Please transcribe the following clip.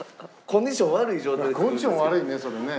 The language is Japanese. コンディション悪いねそれね。